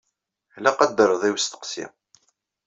Ilaq ad d-terreḍ i usteqsi.